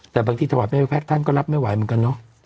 แต่บางทีถวัตน์แมพริแพทย์ท่านก็รับไม่ไหวเหมือนกัน